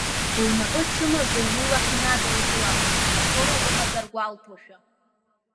Лнапы ачымазаҩ лылахь инадылкылахт, ашоура лымазар гәалҭошәа.